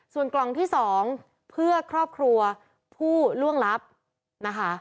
ส่วนกล่องที่๒เพื่อครอบครัวผู้ล่วงลับนะคะ